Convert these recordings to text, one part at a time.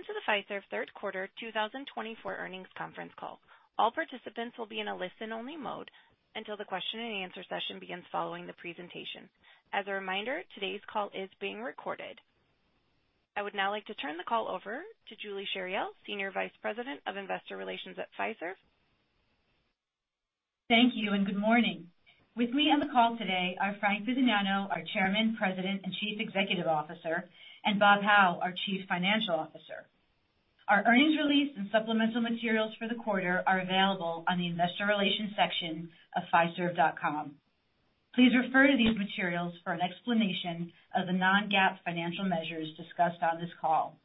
Welcome to the Fiserv third quarter 2024 earnings conference call. All participants will be in a listen-only mode until the question-and-answer session begins following the presentation. As a reminder, today's call is being recorded. I would now like to turn the call over to Julie Chariell, SVP of Investor Relations at Fiserv. Thank you, and good morning. With me on the call today are Frank Bisignano, our Chairman, President, and CEO, and Bob Hau, our CFO. Our earnings release and supplemental materials for the quarter are available on the investor relations section of Fiserv.com. Please refer to these materials for an explanation of the non-GAAP financial measures discussed on this call,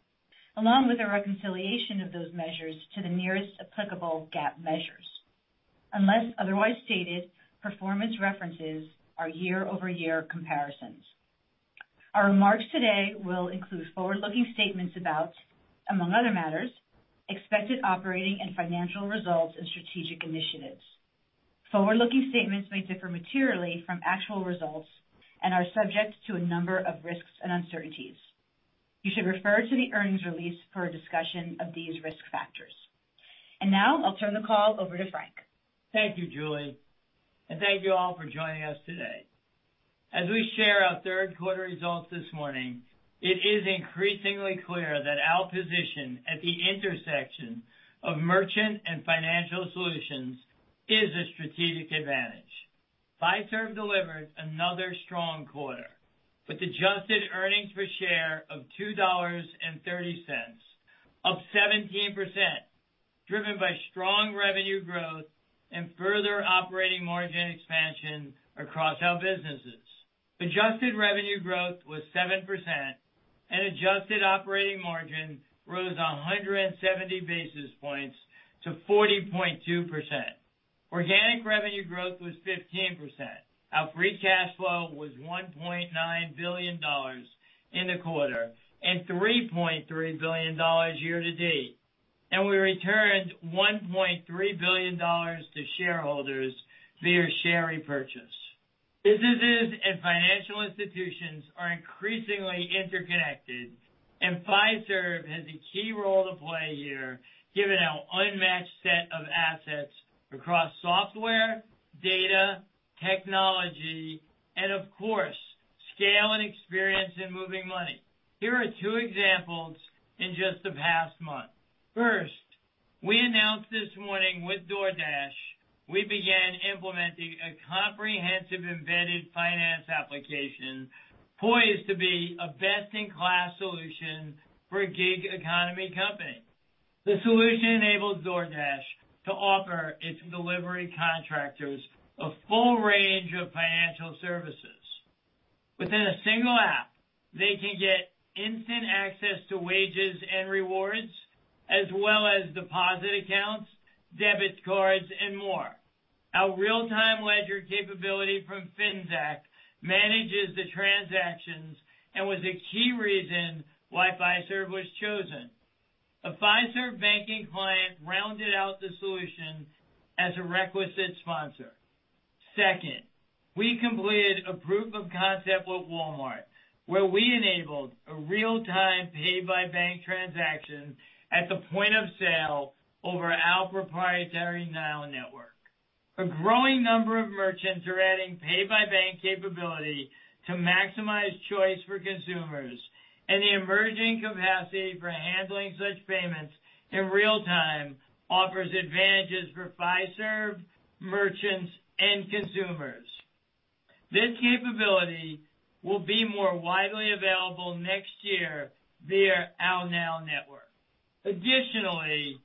along with a reconciliation of those measures to the nearest applicable GAAP measures. Unless otherwise stated, performance references are year-over-year comparisons. Our remarks today will include forward-looking statements about, among other matters, expected operating and financial results and strategic initiatives. Forward-looking statements may differ materially from actual results and are subject to a number of risks and uncertainties. You should refer to the earnings release for a discussion of these risk factors. And now I'll turn the call over to Frank. Thank you, Julie, and thank you all for joining us today. As we share our third quarter results this morning, it is increasingly clear that our position at the intersection of Merchant and Financial Solutions is a strategic advantage. Fiserv delivered another strong quarter with adjusted earnings per share of $2.30, up 17%, driven by strong revenue growth and further operating margin expansion across our businesses. Adjusted revenue growth was 7%, and adjusted operating margin rose 100 basis points to 40.2%. Organic revenue growth was 15%. Our free cash flow was $1.9 billion in the quarter, and $3.3 billion year to date, and we returned $1.3 billion to shareholders via share repurchase. Businesses and financial institutions are increasingly interconnected, and Fiserv has a key role to play here, given our unmatched set of assets across software, data, technology, and of course, scale and experience in moving money. Here are two examples in just the past month. First, we announced this morning with DoorDash, we began implementing a comprehensive embedded finance application poised to be a best-in-class solution for a gig economy company. The solution enables DoorDash to offer its delivery contractors a full range of financial services. Within a single app, they can get instant access to wages and rewards, as well as deposit accounts, debit cards, and more. Our real-time ledger capability from Finxact manages the transactions and was a key reason why Fiserv was chosen. A Fiserv banking client rounded out the solution as a requisite sponsor. Second, we completed a proof of concept with Walmart, where we enabled a real-time pay-by-bank transaction at the point of sale over our proprietary NOW Network. A growing number of merchants are adding pay-by-bank capability to maximize choice for consumers, and the emerging capacity for handling such payments in real time offers advantages for Fiserv, merchants, and consumers. This capability will be more widely available next year via our NOW Network. Additionally,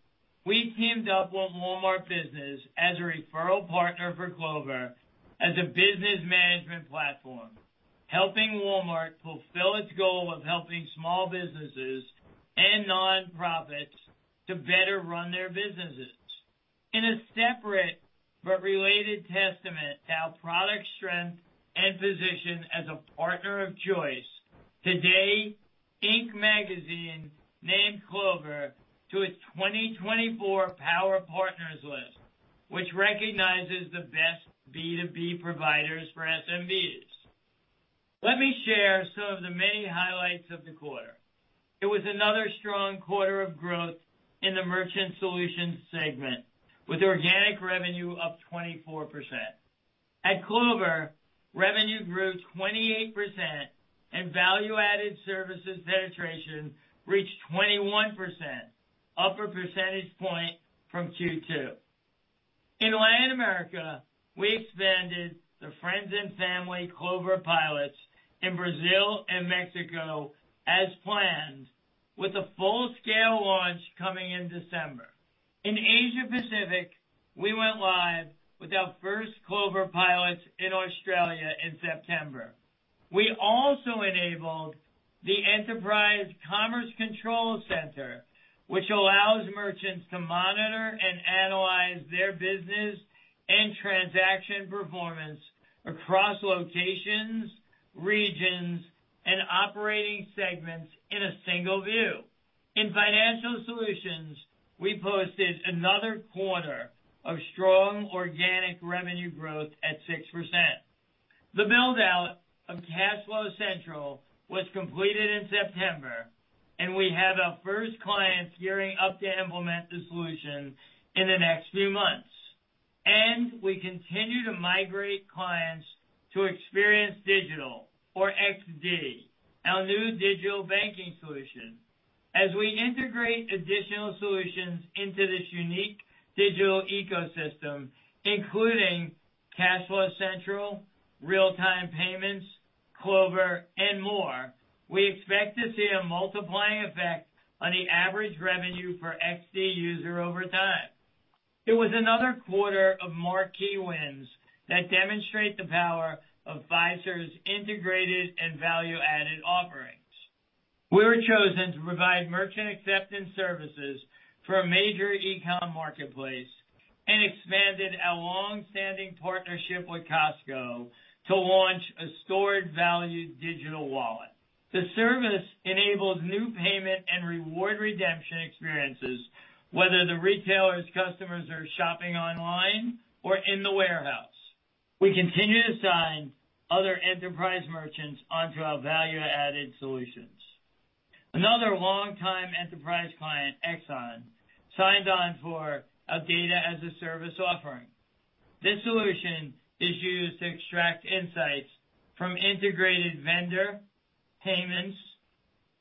we teamed up with Walmart Business as a referral partner for Clover as a business management platform, helping Walmart fulfill its goal of helping small businesses and nonprofits to better run their businesses. In a separate but related testament to our product strength and position as a partner of choice, today, Inc. Magazine named Clover to its 2024 Power Partners list, which recognizes the best B2B providers for SMBs. Let me share some of the many highlights of the quarter. It was another strong quarter of growth in the Merchant Solutions segment, with organic revenue up 24%. At Clover, revenue grew 28% and value-added services penetration reached 21%, up a percentage point from Q2. In Latin America, we expanded the friends and family Clover pilots in Brazil and Mexico as planned, with a full-scale launch coming in December. In Asia Pacific, we went live with our first Clover pilots in Australia in September. We also enabled the Enterprise Commerce Control Center, which allows merchants to monitor and analyze their business and transaction performance across locations, regions, and operating segments in a single view. In Financial Solutions, we posted another quarter of strong organic revenue growth at 6%. The build-out of Cash Flow Central was completed in September, and we have our first clients gearing up to implement the solution in the next few months, and we continue to migrate clients to Experience Digital, or XD, our new digital banking solution. As we integrate additional solutions into this unique digital ecosystem, including Cash Flow Central, real-time payments, Clover, and more, we expect to see a multiplying effect on the average revenue for XD user over time. It was another quarter of more key wins that demonstrate the power of Fiserv's integrated and value-added offerings. We were chosen to provide merchant acceptance services for a major e-com marketplace and expanded our long-standing partnership with Costco to launch a stored value digital wallet. The service enables new payment and reward redemption experiences, whether the retailer's customers are shopping online or in the warehouse. We continue to sign other enterprise merchants onto our value-added solutions. Another longtime enterprise client, Exxon, signed on for our data as a service offering. This solution is used to extract insights from integrated vendor, payments,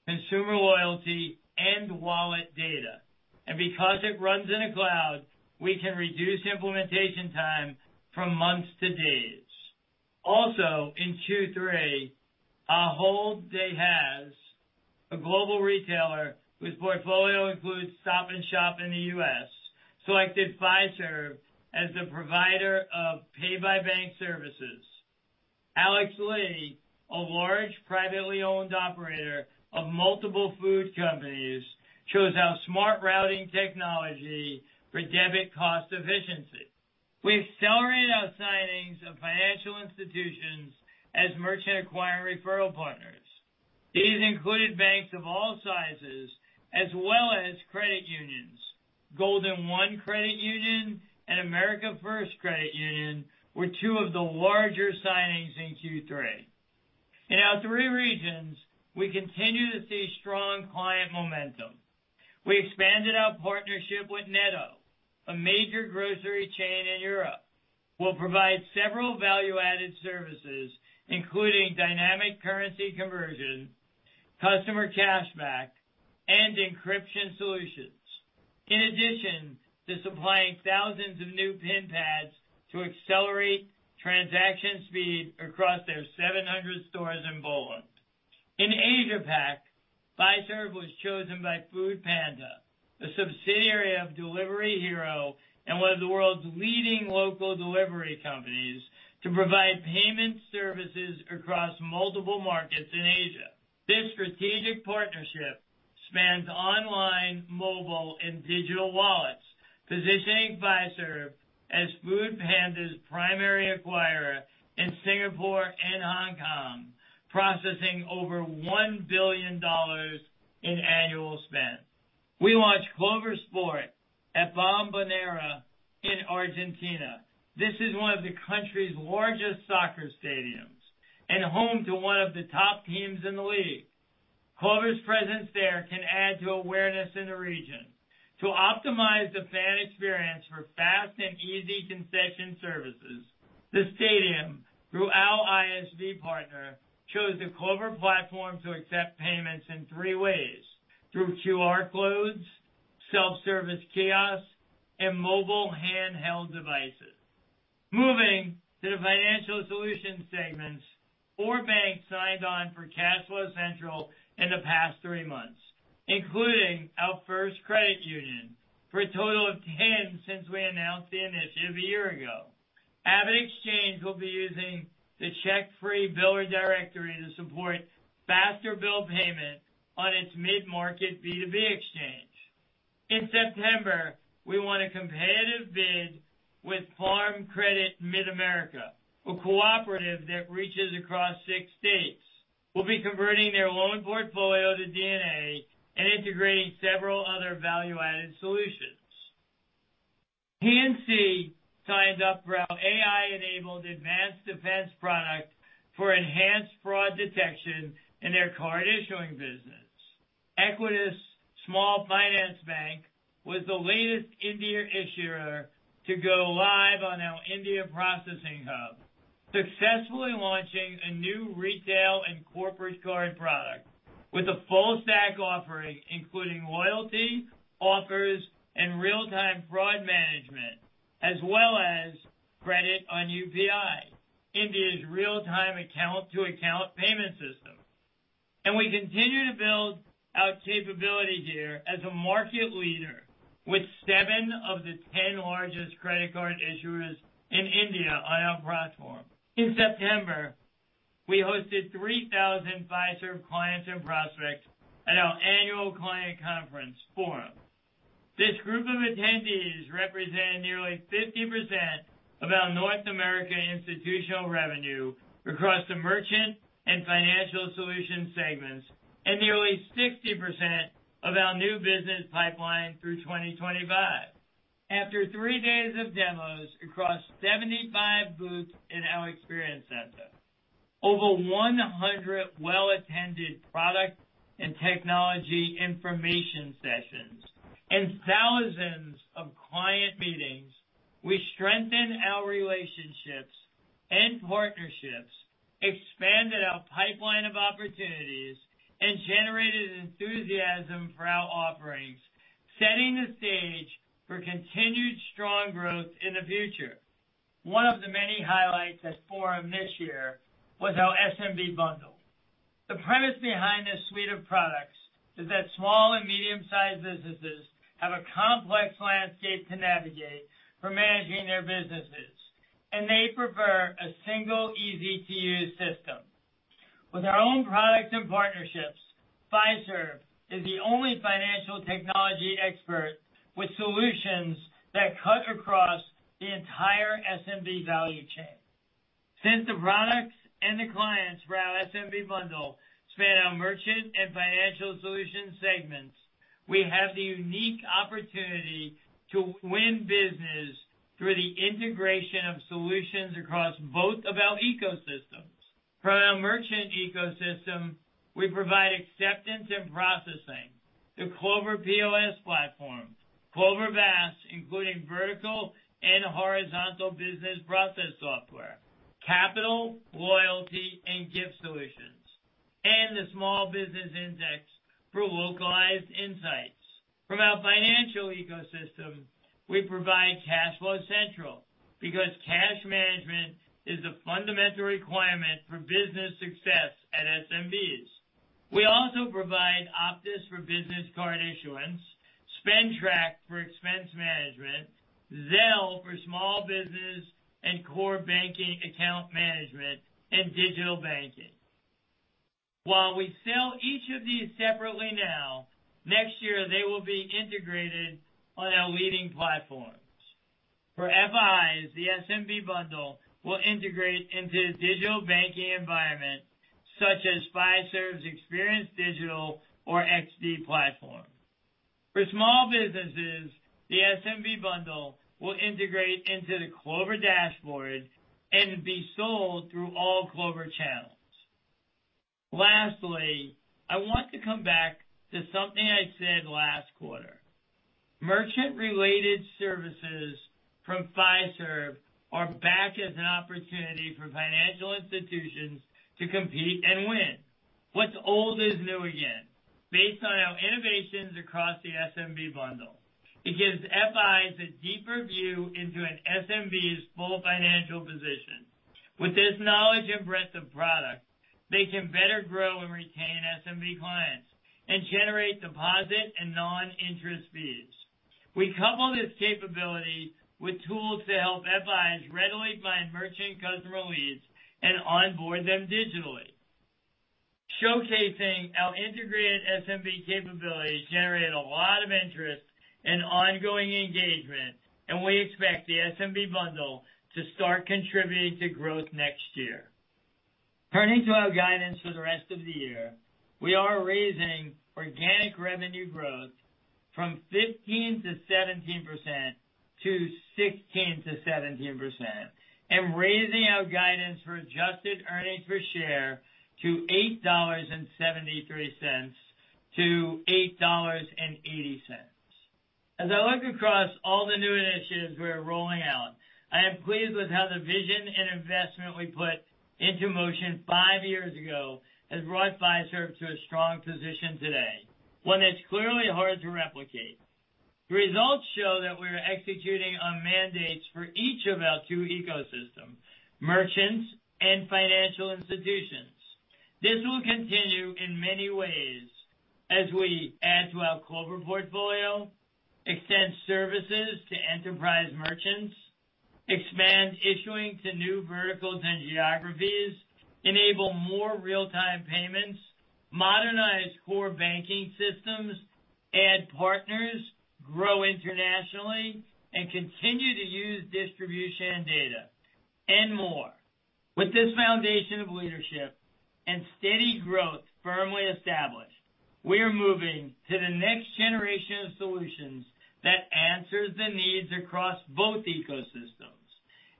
consumer loyalty, and wallet data, and because it runs in a cloud, we can reduce implementation time from months to days. Also, in Q3, Ahold Delhaize, a global retailer whose portfolio includes Stop & Shop in the U.S., selected Fiserv as the provider of pay-by-bank services. Alex Lee, a large, privately owned operator of multiple food companies, chose our smart routing technology for debit cost efficiency. We accelerated our signings of financial institutions as merchant acquirer referral partners. These included banks of all sizes as well as credit unions. Golden 1 Credit Union and America First Credit Union were two of the larger signings in Q3. In our three regions, we continue to see strong client momentum. We expanded our partnership with Netto, a major grocery chain in Europe. We'll provide several value-added services, including dynamic currency conversion, customer cashback, and encryption solutions, in addition to supplying thousands of new PIN pads to accelerate transaction speed across their seven hundred stores in Poland. In Asia Pac, Fiserv was chosen by Foodpanda, a subsidiary of Delivery Hero and one of the world's leading local delivery companies, to provide payment services across multiple markets in Asia. This strategic partnership spans online, mobile, and digital wallets, positioning Fiserv as Foodpanda's primary acquirer in Singapore and Hong Kong, processing over $1 billion in annual spend. We launched Clover Sport at Bombonera in Argentina. This is one of the country's largest soccer stadiums and home to one of the top teams in the league. Clover's presence there can add to awareness in the region. To optimize the fan experience for fast and easy concession services, the stadium, through our ISV partner, chose the Clover platform to accept payments in three ways: through QR codes, self-service kiosks, and mobile handheld devices. Moving to the Financial Solutions segments, four banks signed on for Cash Flow Central in the past three months, including our first credit union, for a total of 10 since we announced the initiative a year ago. AvidXchange will be using the CheckFree Biller Directory to support faster bill payment on its mid-market B2B exchange. In September, we won a competitive bid with Farm Credit Mid-America, a cooperative that reaches across six states. We'll be converting their loan portfolio to DNA and integrating several other value-added solutions. PNC signed up for our AI-enabled Advanced Defense product for enhanced fraud detection in their card-issuing business. Equitas Small Finance Bank was the latest India issuer to go live on our India processing hub, successfully launching a new retail and corporate card product with a full-stack offering, including loyalty, offers, and real-time fraud management, as well as credit on UPI, India's real-time account-to-account payment system. And we continue to build our capability here as a market leader with seven of the ten largest credit card issuers in India on our platform. In September, we hosted three thousand Fiserv clients and prospects at our annual client conference forum. This group of attendees represented nearly 50% of our North American institutional revenue across the merchant and financial solution segments, and nearly 60% of our new business pipeline through 2025. After three days of demos across 75 booths in our experience center, over 100 well-attended product and technology information sessions, and thousands of client meetings, we strengthened our relationships and partnerships, expanded our pipeline of opportunities, and generated enthusiasm for our offerings, setting the stage for continued strong growth in the future. One of the many highlights at Forum this year was our SMB bundle. The premise behind this suite of products is that small and medium-sized businesses have a complex landscape to navigate for managing their businesses, and they prefer a single, easy-to-use system. With our own products and partnerships, Fiserv is the only financial technology expert with solutions that cut across the entire SMB value chain. Since the products and the clients for our SMB bundle span our merchant and Financial Solutions segments, we have the unique opportunity to win business through the integration of solutions across both of our ecosystems. From our merchant ecosystem, we provide acceptance and processing, the Clover POS platform, Clover VAS, including vertical and horizontal business process software, capital, loyalty, and gift solutions, and the Small Business Index for localized insights. From our financial ecosystem, we provide Cash Flow Central, because cash management is a fundamental requirement for business success at SMBs. We also provide Optis for business card issuance, SpendTrack for expense management, Zelle for small business and core banking account management, and digital banking. While we sell each of these separately now, next year they will be integrated on our leading platforms. For FIs, the SMB bundle will integrate into the digital banking environment, such as Fiserv's Experience Digital or XD platform. For small businesses, the SMB bundle will integrate into the Clover dashboard and be sold through all Clover channels. Lastly, I want to come back to something I said last quarter. Merchant-related services from Fiserv are back as an opportunity for financial institutions to compete and win. What's old is new again, based on our innovations across the SMB bundle. It gives FIs a deeper view into an SMB's full financial position. With this knowledge and breadth of product, they can better grow and retain SMB clients and generate deposit and non-interest fees. We couple this capability with tools to help FIs readily find merchant customer leads and onboard them digitally. Showcasing our integrated SMB capabilities generated a lot of interest and ongoing engagement, and we expect the SMB bundle to start contributing to growth next year. Turning to our guidance for the rest of the year, we are raising organic revenue growth from 15%-17% to 16%-17%, and raising our guidance for adjusted earnings per share to $8.73-$8.80. As I look across all the new initiatives we're rolling out, I am pleased with how the vision and investment we put into motion five years ago has brought Fiserv to a strong position today, one that's clearly hard to replicate. The results show that we're executing on mandates for each of our two ecosystems, merchants and financial institutions. This will continue in many ways as we add to our Clover portfolio, extend services to enterprise merchants, expand issuing to new verticals and geographies, enable more real-time payments, modernize core banking systems, add partners, grow internationally, and continue to use distribution and data, and more. With this foundation of leadership and steady growth firmly established, we are moving to the next generation of solutions that answers the needs across both ecosystems.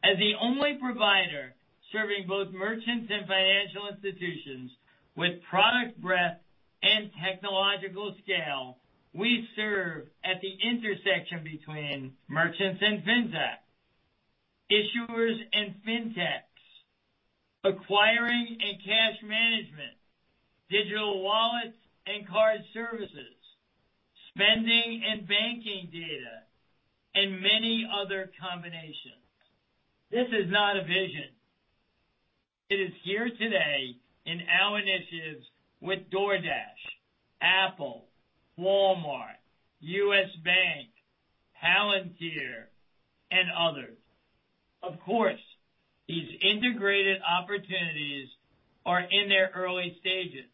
As the only provider serving both merchants and financial institutions with product breadth and technological scale, we serve at the intersection between merchants and fintech, issuers and fintechs, acquiring and cash management, digital wallets and card services, spending and banking data, and many other combinations. This is not a vision. It is here today in our initiatives with DoorDash, Apple, Walmart, U.S. Bank, Palantir, and others. Of course, these integrated opportunities are in their early stages.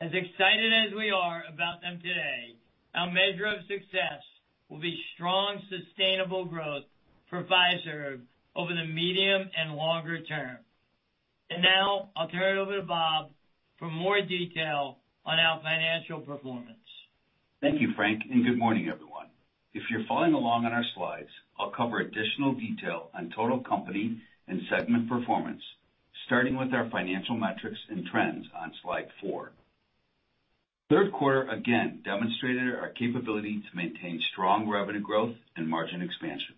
As excited as we are about the measure of success, it will be strong, sustainable growth for Fiserv over the medium and longer term. And now I'll turn it over to Bob for more detail on our financial performance. Thank you, Frank, and good morning, everyone. If you're following along on our slides, I'll cover additional detail on total company and segment performance, starting with our financial metrics and trends on Slide four. Third quarter again demonstrated our capability to maintain strong revenue growth and margin expansion.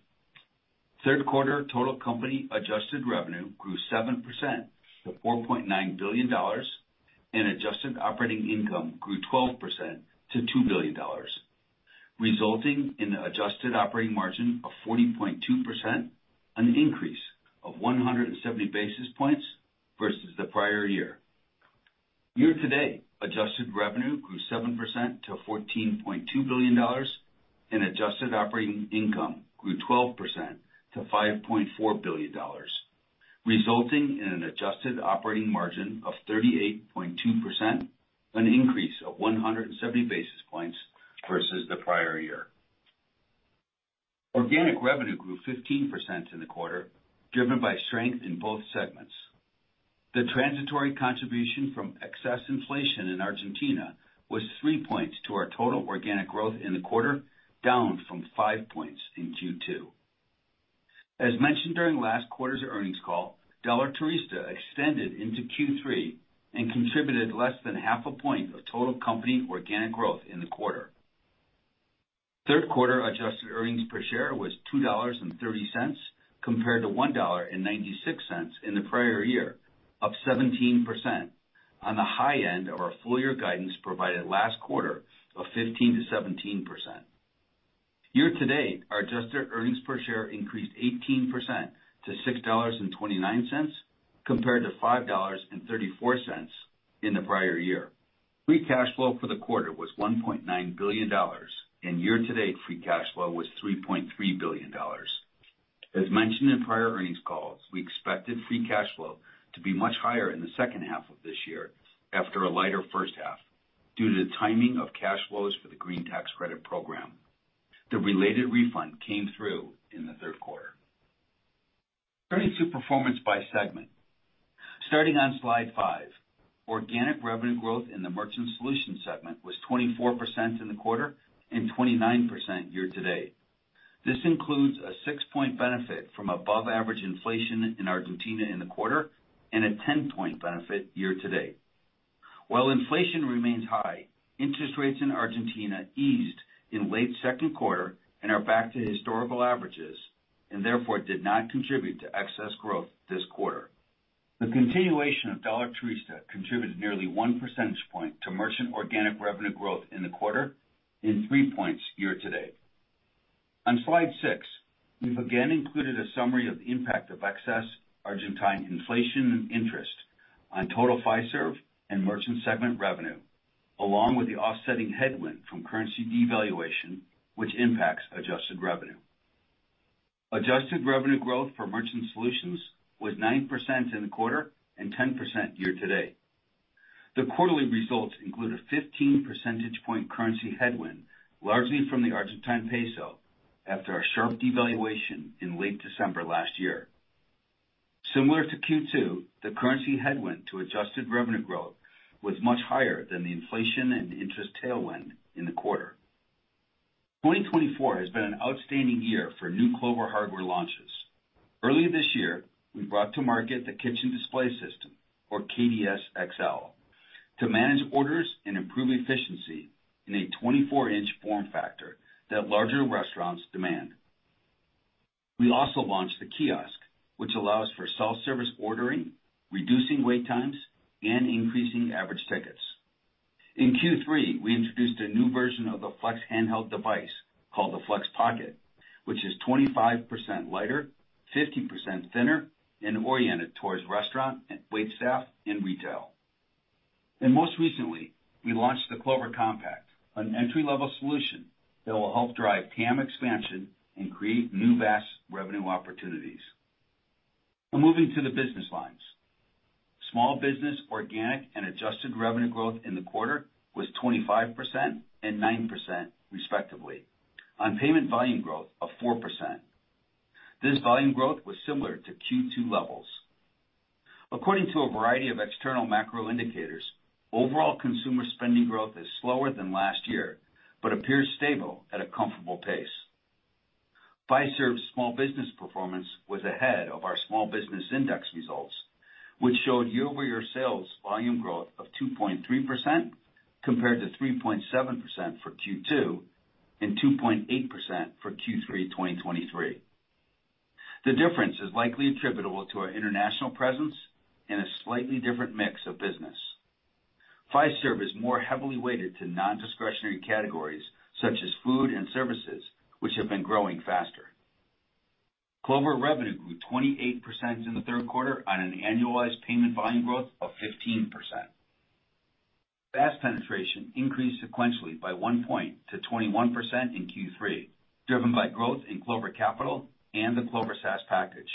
Third quarter total company adjusted revenue grew 7% to $4.9 billion, and adjusted operating income grew 12% to $2 billion, resulting in an adjusted operating margin of 40.2%, an increase of 170 basis points versus the prior year. Year-to-date, adjusted revenue grew 7% to $14.2 billion, and adjusted operating income grew 12% to $5.4 billion, resulting in an adjusted operating margin of 38.2%, an increase of 170 basis points versus the prior year. Organic revenue grew 15% in the quarter, driven by strength in both segments. The transitory contribution from excess inflation in Argentina was three points to our total organic growth in the quarter, down from five points in Q2. As mentioned during last quarter's earnings call, Dólar Turista extended into Q3 and contributed less than half a point of total company organic growth in the quarter. Third quarter adjusted earnings per share was $2.30, compared to $1.96 in the prior year, up 17% on the high end of our full year guidance provided last quarter of 15%-17%. Year to date, our adjusted earnings per share increased 18% to $6.29, compared to $5.34 in the prior year. Free cash flow for the quarter was $1.9 billion, and year-to-date, free cash flow was $3.3 billion. As mentioned in prior earnings calls, we expected free cash flow to be much higher in the second half of this year after a lighter first half, due to the timing of cash flows for the green tax credit program. The related refund came through in the third quarter. Turning to performance by segment. Starting on sSide five, organic revenue growth in the Merchant Solutions segment was 24% in the quarter and 29% year to date. This includes a 6-point benefit from above average inflation in Argentina in the quarter and a 10-point benefit year to date. While inflation remains high, interest rates in Argentina eased in late second quarter and are back to historical averages and therefore did not contribute to excess growth this quarter. The continuation of Dólar Turista contributed nearly one percentage point to merchant organic revenue growth in the quarter and three points year to date. On Slide six, we've again included a summary of the impact of excess Argentine inflation and interest on total Fiserv and merchant segment revenue, along with the offsetting headwind from currency devaluation, which impacts adjusted revenue. Adjusted revenue growth for merchant solutions was 9% in the quarter and 10% year to date. The quarterly results include a 15 percentage point currency headwind, largely from the Argentine peso, after a sharp devaluation in late December last year. Similar to Q2, the currency headwind to adjusted revenue growth was much higher than the inflation and interest tailwind in the quarter. 2024 has been an outstanding year for new Clover hardware launches. Early this year, we brought to market the Kitchen Display System, or KDS XL, to manage orders and improve efficiency in a 24-inch form factor that larger restaurants demand. We also launched the kiosk, which allows for self-service ordering, reducing wait times, and increasing average tickets. In Q3, we introduced a new version of the Flex handheld device called the Flex Pocket, which is 25% lighter, 15% thinner, and oriented towards restaurant and waitstaff and retail. Most recently, we launched the Clover Compact, an entry-level solution that will help drive TAM expansion and create new VAS revenue opportunities. We're moving to the business lines. Small business organic and adjusted revenue growth in the quarter was 25% and 9%, respectively, on payment volume growth of 4%. This volume growth was similar to Q2 levels. According to a variety of external macro indicators, overall consumer spending growth is slower than last year, but appears stable at a comfortable pace. Fiserv's small business performance was ahead of our Small Business Index results, which showed year-over-year sales volume growth of 2.3%, compared to 3.7% for Q2 and 2.8% for Q3 2023. The difference is likely attributable to our international presence and a slightly different mix of business. Fiserv is more heavily weighted to non-discretionary categories such as food and services, which have been growing faster. Clover revenue grew 28% in the third quarter on an annualized payment volume growth of 15%. VAS penetration increased sequentially by one point to 21% in Q3, driven by growth in Clover Capital and the Clover SaaS package.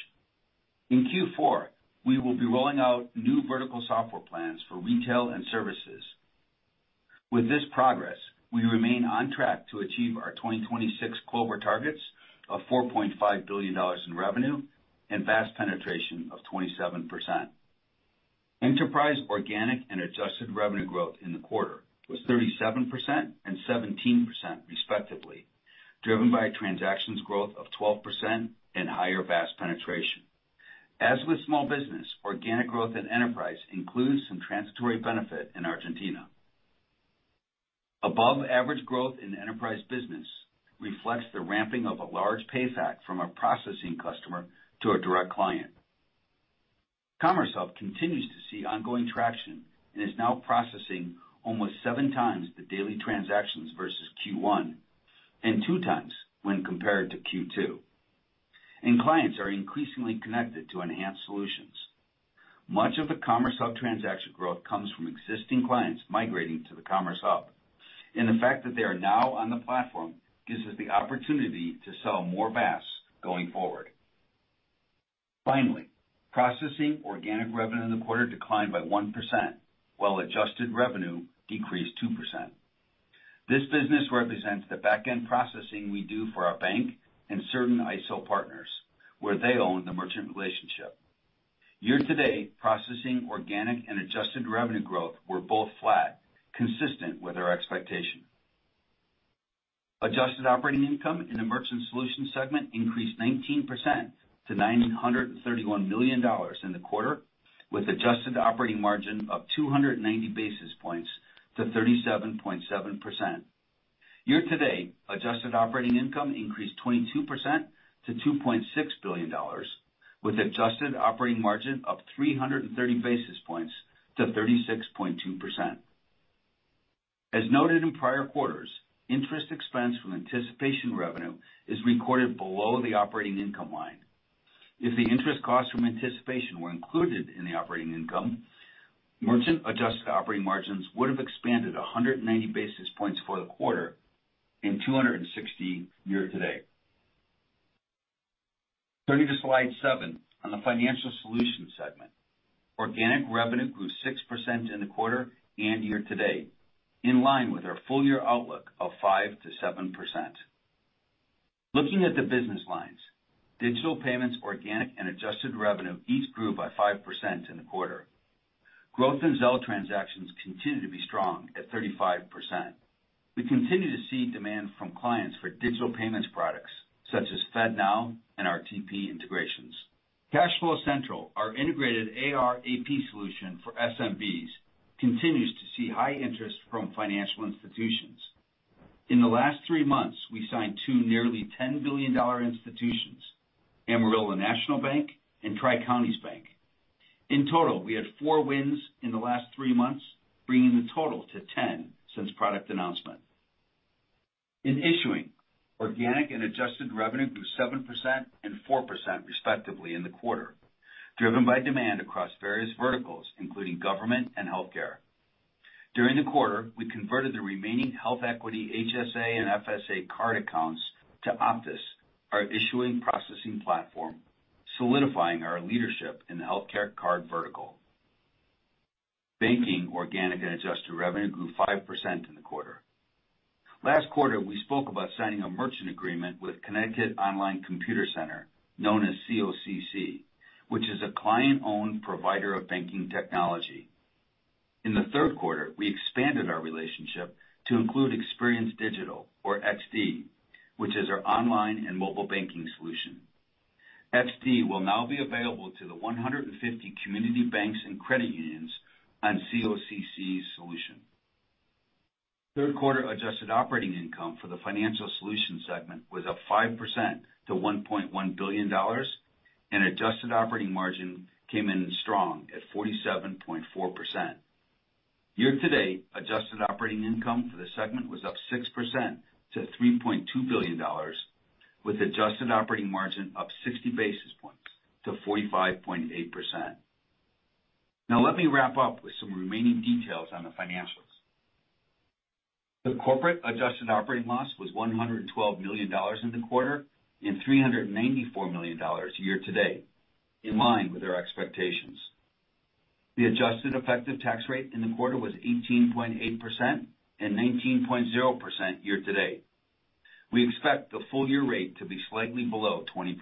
In Q4, we will be rolling out new vertical software plans for retail and services. With this progress, we remain on track to achieve our 2026 Clover targets of $4.5 billion in revenue and VAS penetration of 27%. Enterprise organic and adjusted revenue growth in the quarter was 37% and 17% respectively, driven by transactions growth of 12% and higher VAS penetration. As with small business, organic growth and enterprise includes some transitory benefit in Argentina. Above average growth in the enterprise business reflects the ramping of a large PayFac from a processing customer to a direct client. Commerce Hub continues to see ongoing traction and is now processing almost seven times the daily transactions versus Q1, and clients are increasingly connected to enhanced solutions. Much of the Commerce Hub transaction growth comes from existing clients migrating to the Commerce Hub, and the fact that they are now on the platform gives us the opportunity to sell more VAS going forward. Finally, processing organic revenue in the quarter declined by 1%, while adjusted revenue decreased 2%. This business represents the back-end processing we do for our bank and certain ISO partners, where they own the merchant relationship. Year-to-date, processing organic and adjusted revenue growth were both flat, consistent with our expectation. Adjusted operating income in the Merchant Solutions segment increased 19% to $931 million in the quarter, with adjusted operating margin of 290 basis points to 37.7%. Year to date, adjusted operating income increased 22% to $2.6 billion, with adjusted operating margin up 330 basis points to 36.2%. As noted in prior quarters, interest expense from anticipation revenue is recorded below the operating income line. If the interest costs from anticipation were included in the operating income, Merchant adjusted operating margins would have expanded 190 basis points for the quarter and 260 year to date. Turning to Slide seven on the Financial Solutions segment. Organic revenue grew 6% in the quarter and year to date, in line with our full year outlook of 5%-7%. Looking at the business lines, digital payments, organic and adjusted revenue each grew by 5% in the quarter. Growth in Zelle transactions continued to be strong at 35%. We continue to see demand from clients for digital payments products such as FedNow and our RTP integrations. Cash Flow Central, our integrated AR/AP solution for SMBs, continues to see high interest from financial institutions. In the last three months, we signed two nearly $10 billion institutions, Amarillo National Bank and Tri Counties Bank. In total, we had four wins in the last three months, bringing the total to ten since product announcement. In issuing, organic and adjusted revenue grew 7% and 4% respectively in the quarter, driven by demand across various verticals, including government and healthcare. During the quarter, we converted the remaining HealthEquity HSA and FSA card accounts to Optis, our issuing processing platform, solidifying our leadership in the healthcare card vertical. Banking, organic and adjusted revenue grew 5% in the quarter. Last quarter, we spoke about signing a merchant agreement with Connecticut Online Computer Center, known as COCC, which is a client-owned provider of banking technology. In the third quarter, we expanded our relationship to include Experience Digital or XD, which is our online and mobile banking solution. XD will now be available to the 150 community banks and credit unions on COCC solution. Third quarter adjusted operating income for the Financial Solutions segment was up 5% to $1.1 billion, and adjusted operating margin came in strong at 47.4%. Year to date, adjusted operating income for the segment was up 6% to $3.2 billion, with adjusted operating margin up 60 basis points to 45.8%. Now, let me wrap up with some remaining details on the financials. The corporate adjusted operating loss was $112 million in the quarter and $394 million year to date, in line with our expectations. The adjusted effective tax rate in the quarter was 18.8% and 19.0% year to date. We expect the full year rate to be slightly below 20%.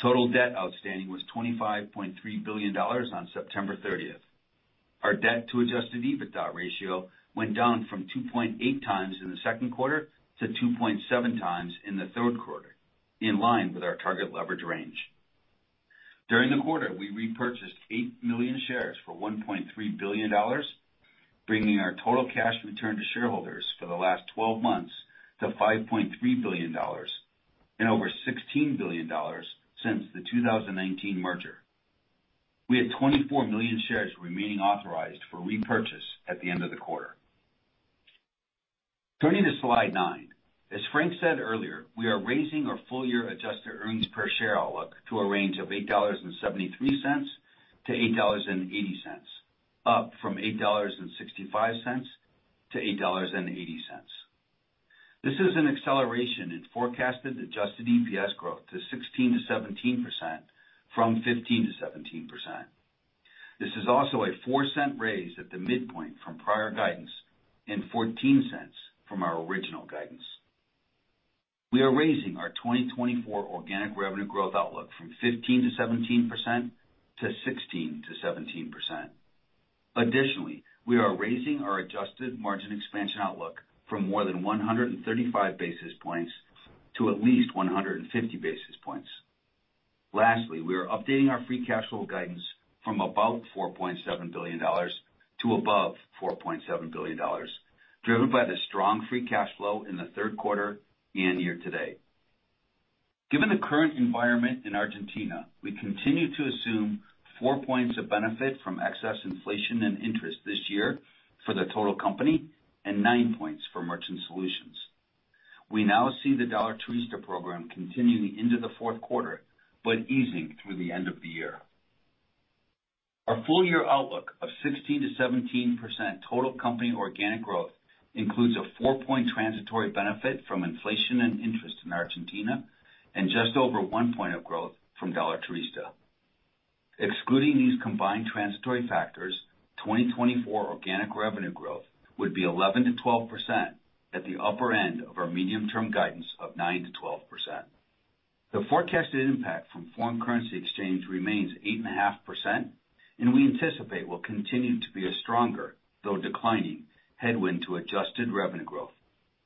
Total debt outstanding was $25.3 billion on September 13th. Our debt to adjusted EBITDA ratio went down from 2.8 times in the second quarter to 2.7 times in the third quarter, in line with our target leverage range. During the quarter, we repurchased 8 million shares for $1.3 billion, bringing our total cash return to shareholders for the last 12 months to $5.3 billion and over $16 billion since the 2019 merger. We had 24 million shares remaining authorized for repurchase at the end of the quarter. Turning to Slide nine. As Frank said earlier, we are raising our full-year adjusted earnings per share outlook to a range of $8.73-$8.80, up from $8.65-$8.80... This is an acceleration in forecasted Adjusted EPS growth to 16%-17% from 15%-17%. This is also a $0.04 raise at the midpoint from prior guidance and $0.14 from our original guidance. We are raising our 2024 organic revenue growth outlook from 15%-17% to 16%-17%. Additionally, we are raising our Adjusted margin expansion outlook from more than 135 basis points to at least 150 basis points. Lastly, we are updating our free cash flow guidance from about $4.7 billion to above $4.7 billion, driven by the strong free cash flow in the third quarter and year to date. Given the current environment in Argentina, we continue to assume four points of benefit from excess inflation and interest this year for the total company and nine points for Merchant Solutions. We now see the Dólar Turista program continuing into the fourth quarter, but easing through the end of the year. Our full year outlook of 16%-17% total company organic growth includes a four-point transitory benefit from inflation and interest in Argentina and just over one point of growth from Dólar Turista. Excluding these combined transitory factors, 2024 organic revenue growth would be 11%-12% at the upper end of our medium-term guidance of 9%-12%. The forecasted impact from foreign currency exchange remains 8.5%, and we anticipate will continue to be a stronger, though declining, headwind to adjusted revenue growth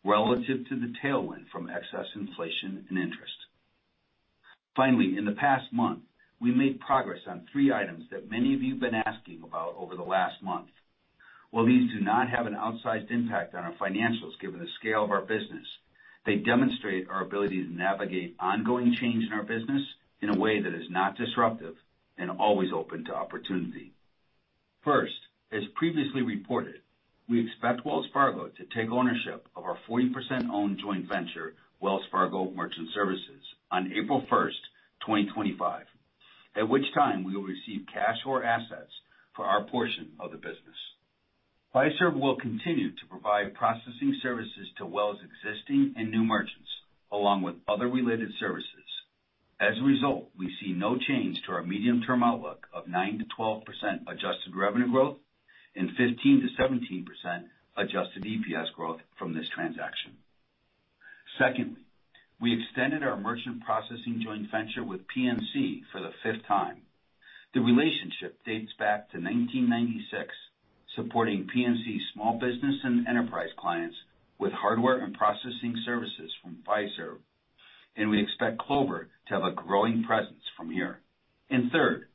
relative to the tailwind from excess inflation and interest. Finally, in the past month, we made progress on three items that many of you've been asking about over the last month. While these do not have an outsized impact on our financials, given the scale of our business, they demonstrate our ability to navigate ongoing change in our business in a way that is not disruptive and always open to opportunity. First, as previously reported, we expect Wells Fargo to take ownership of our 40% owned joint venture, Wells Fargo Merchant Services, on April first, 2025, at which time we will receive cash or assets for our portion of the business. Fiserv will continue to provide processing services to Wells' existing and new merchants, along with other related services. As a result, we see no change to our medium-term outlook of 9%-12% adjusted revenue growth and 15%-17% adjusted EPS growth from this transaction. Secondly, we extended our merchant processing joint venture with PNC for the fifth time. The relationship dates back to 1996, supporting PNC small business and enterprise clients with hardware and processing services from Fiserv, and we expect Clover to have a growing presence from here. And third,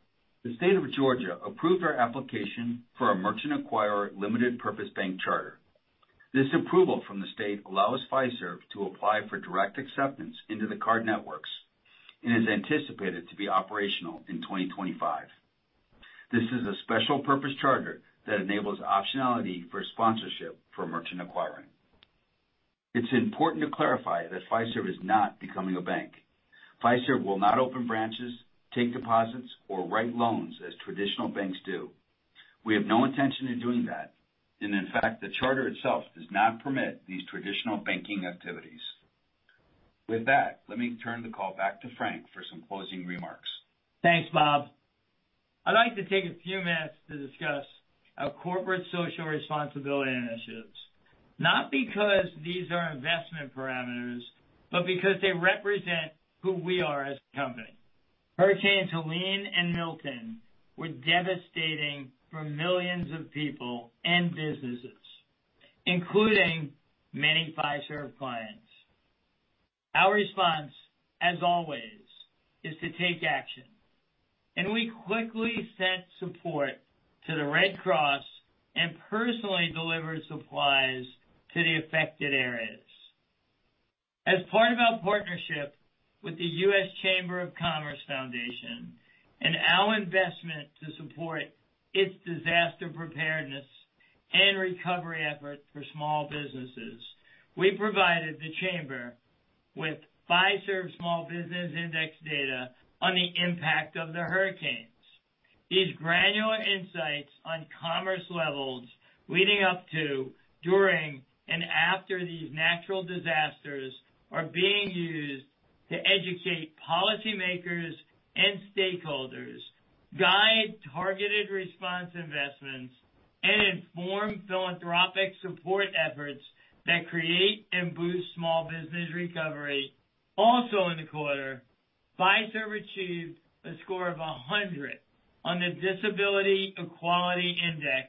the State of Georgia approved our application for a Merchant Acquirer Limited Purpose Bank charter. This approval from the state allows Fiserv to apply for direct acceptance into the card networks and is anticipated to be operational in 2025. This is a special purpose charter that enables optionality for sponsorship for merchant acquiring. It's important to clarify that Fiserv is not becoming a bank. Fiserv will not open branches, take deposits, or write loans as traditional banks do. We have no intention of doing that, and in fact, the charter itself does not permit these traditional banking activities. With that, let me turn the call back to Frank for some closing remarks. Thanks, Bob. I'd like to take a few minutes to discuss our corporate social responsibility initiatives, not because these are investment parameters, but because they represent who we are as a company. Hurricanes Helene and Milton were devastating for millions of people and businesses, including many Fiserv clients. Our response, as always, is to take action, and we quickly sent support to the Red Cross and personally delivered supplies to the affected areas. As part of our partnership with the U.S. Chamber of Commerce Foundation and our investment to support its disaster preparedness and recovery efforts for small businesses, we provided the chamber with Fiserv Small Business Index data on the impact of the hurricanes. These granular insights on commerce levels leading up to, during, and after these natural disasters are being used to educate policymakers and stakeholders, guide targeted response investments, and inform philanthropic support efforts that create and boost small business recovery. Also in the quarter, Fiserv achieved a score of 100 on the Disability Equality Index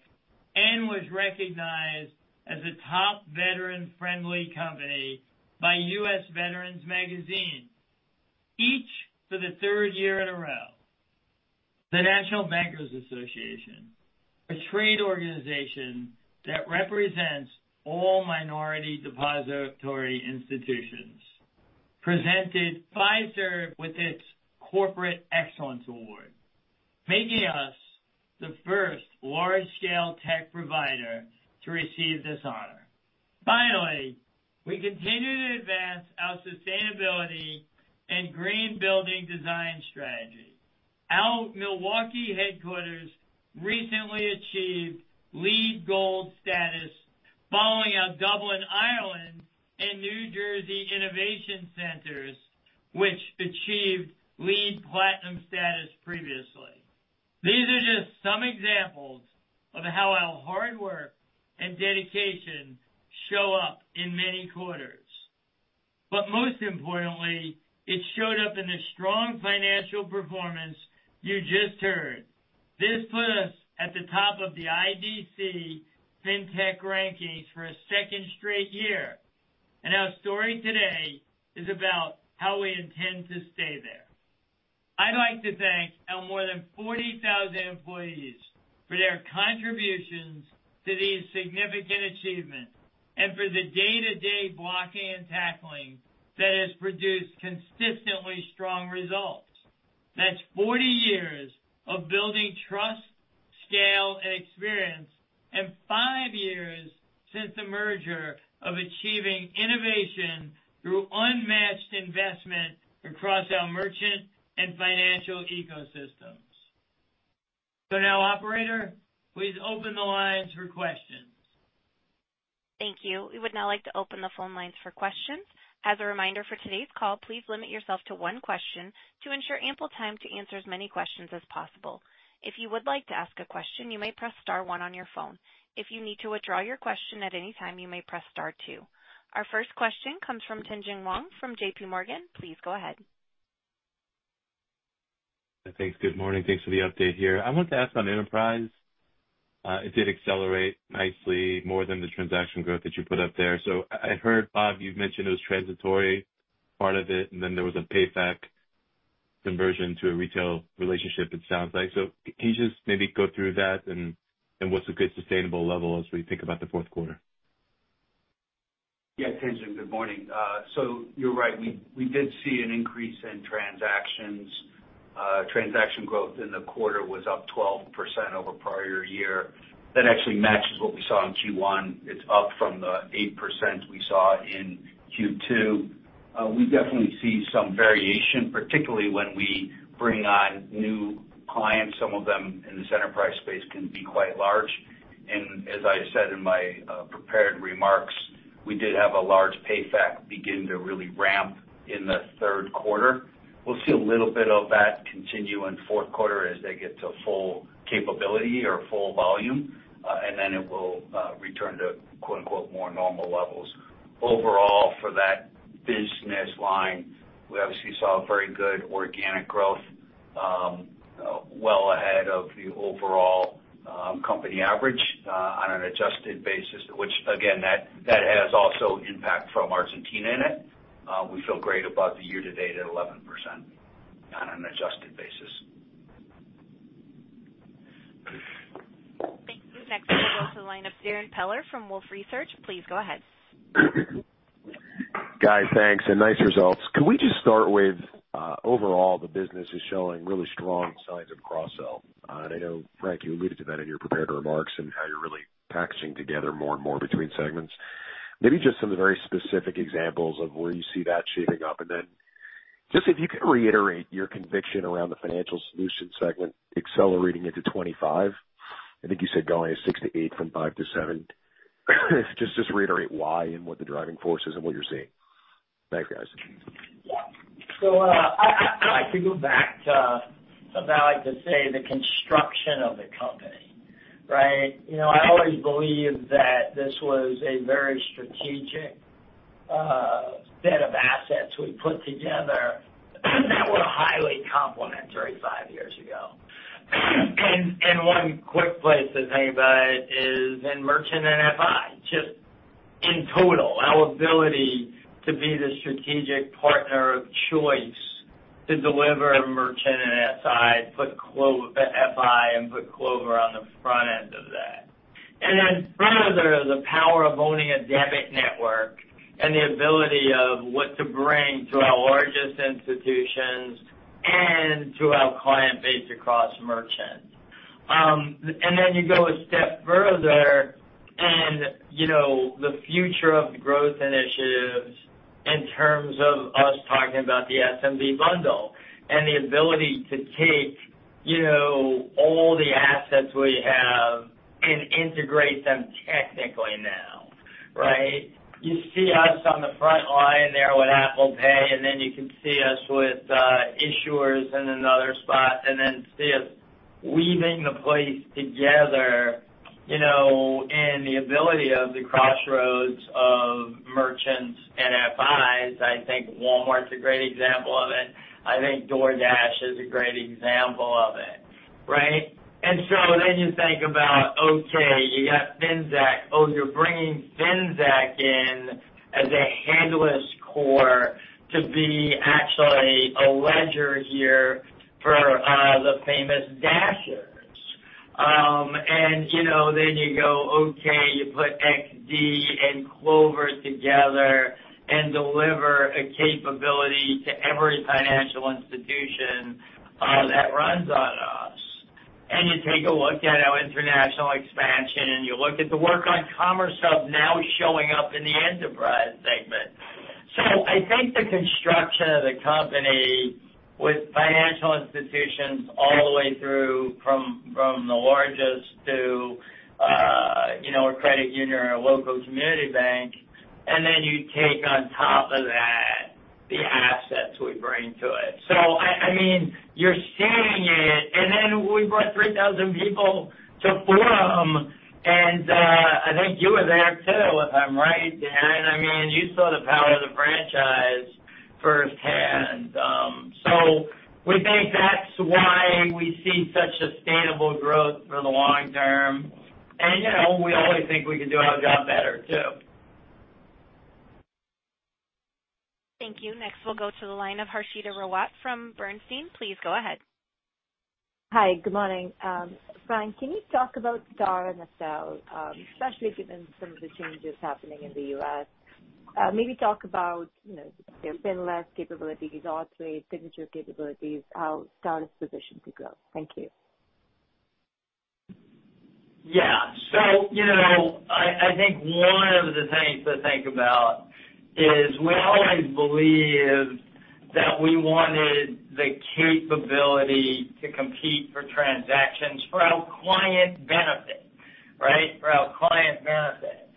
and was recognized as a top veteran-friendly company by U.S. Veterans Magazine, each for the third year in a row. The National Bankers Association, a trade organization that represents all minority depository institutions, presented Fiserv with its Corporate Excellence Award, making us the first large-scale tech provider to receive this honor. Milwaukee headquarters recently achieved LEED Gold status, following our Dublin, Ireland, and New Jersey innovation centers, which achieved LEED Platinum status previously. These are just some examples of how our hard work and dedication show up in many quarters. But most importantly, it showed up in a strong financial performance you just heard. This put us at the top of the IDC Fintech Rankings for a second straight year, and our story today is about how we intend to stay there. I'd like to thank our more than forty thousand employees for their contributions to these significant achievements and for the day-to-day blocking and tackling that has produced consistently strong results. That's forty years of building trust, scale, and experience, and five years since the merger of achieving innovation through unmatched investment across our merchant and financial ecosystems. So now, operator, please open the lines for questions. Thank you. We would now like to open the phone lines for questions. As a reminder for today's call, please limit yourself to one question to ensure ample time to answer as many questions as possible. If you would like to ask a question, you may press star one on your phone. If you need to withdraw your question at any time, you may press star two. Our first question comes from Tien-tsin Huang from JPMorgan. Please go ahead. Thanks. Good morning. Thanks for the update here. I want to ask on Enterprise, it did accelerate nicely more than the transaction growth that you put up there, so I heard, Bob, you've mentioned it was transitory part of it, and then there was a payback conversion to a retail relationship, it sounds like, so can you just maybe go through that, and what's a good sustainable level as we think about the fourth quarter? Yeah, Tien-tsin, good morning, so you're right. We did see an increase in transactions. Transaction growth in the quarter was up 12% over prior year. That actually matches what we saw in Q1. It's up from the 8% we saw in Q2. We definitely see some variation, particularly when we bring on new clients. Some of them in this enterprise space can be quite large, and as I said in my prepared remarks, we did have a large PayFac begin to really ramp in the third quarter. We'll see a little bit of that continue in fourth quarter as they get to full capability or full volume, and then it will return to, quote, unquote, more normal levels. Overall, for that business line, we obviously saw very good organic growth, well ahead of the overall company average, on an adjusted basis, which again, that has also impact from Argentina in it. We feel great about the year to date at 11% on an adjusted basis. Thank you. Next, we'll go to the line of Darrin Peller from Wolfe Research. Please go ahead. Guys, thanks, and nice results. Can we just start with, overall, the business is showing really strong signs of cross-sell, and I know, Frank, you alluded to that in your prepared remarks and how you're really tying together more and more between segments. Maybe just some of the very specific examples of where you see that shaping up, and then just if you could reiterate your conviction around the Financial Solutions segment accelerating into 2025. I think you said going six to eight from five to seven. Just, just reiterate why and what the driving force is and what you're seeing. Thanks, guys. Yeah. So, I'd like to go back to something I like to say, the construction of the company, right? You know, I always believed that this was a very strategic set of assets we put together that were highly complementary five years ago. And one quick place to think about it is in merchant and FI. Just in total, our ability to be the strategic partner of choice to deliver a merchant and FI, put the FI and put Clover on the front end of that. And then further, the power of owning a debit network and the ability of what to bring to our largest institutions and to our client base across merchants. And then you go a step further and, you know, the future of the growth initiatives in terms of us talking about the SMB bundle and the ability to take, you know, all the assets we have and integrate them technically now, right? You see us on the front line there with Apple Pay, and then you can see us with issuers in another spot, and then see us weaving the place together, you know, and the ability of the crossroads of merchants and FIs. I think Walmart's a great example of it. I think DoorDash is a great example of it, right? And so then you think about, okay, you got Finxact. Oh, you're bringing Finxact in as a handler's core to be actually a ledger here for the famous Dashers. And you know, then you go, okay, you put XD and Clover together and deliver a capability to every financial institution that runs on us. And you take a look at our international expansion, and you look at the work on Commerce Hub now showing up in the enterprise space.... I think the construction of the company with financial institutions all the way through from the largest to, you know, a credit union or a local community bank, and then you take on top of that the assets we bring to it. So I mean, you're seeing it, and then we brought three thousand people to Forum, and I think you were there too, if I'm right, Dan. I mean, you saw the power of the franchise firsthand. So we think that's why we see such sustainable growth for the long term. You know, we always think we can do our job better, too. Thank you. Next, we'll go to the line of Harshita Rawat from Bernstein. Please go ahead. Hi, good morning. Frank, can you talk about Star and Accel, especially given some of the changes happening in the U.S.? Maybe talk about, you know, their PIN-less capabilities, autopay, signature capabilities, how Star is positioned to grow. Thank you. Yeah. So, you know, I think one of the things to think about is we always believed that we wanted the capability to compete for transactions for our client benefit, right? For our client benefit.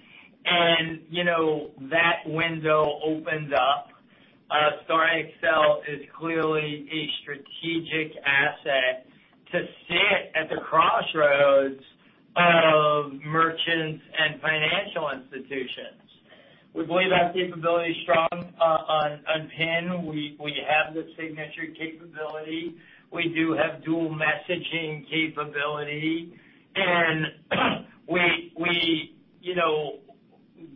And, you know, that window opens up. Star and Accel is clearly a strategic asset to sit at the crossroads of merchants and financial institutions. We believe our capability is strong on PIN. We have the signature capability. We do have dual messaging capability, and we, you know,